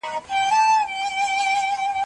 کله دي زړه ته دا هم تیریږي؟